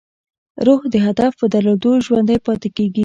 روح د هدف په درلودو ژوندی پاتې کېږي.